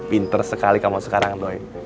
pinter sekali kamu sekarang doy